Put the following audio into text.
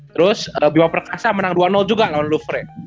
terus bimba perkasa menang dua juga lawan luver ya